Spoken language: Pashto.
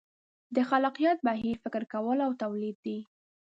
د خلاقیت بهیر فکر کول او تولید دي.